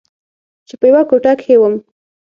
چې په يوه کوټه کښې وم.